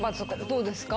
どうですか？